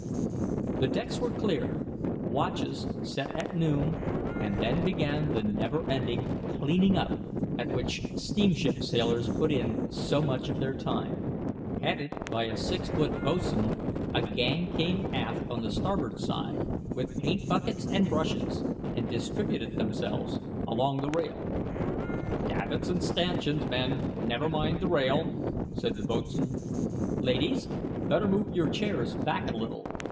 The decks were cleared, watches set at noon, and then began the never ending cleaning up at which steamship sailors put in so much of their time. Headed by a six foot boatswain, a gang came aft on the starboard side, with paint buckets and brushes, and distributed themselves along the rail. "Davits an' stanchions, men never mind the rail," said the boatswain. "Ladies, better move your chairs back a little.